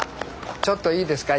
ちょっといいですか？